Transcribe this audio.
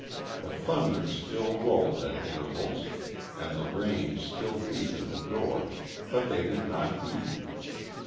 The thunder still rolled at intervals and the rain still beat at the door, but they did not heed.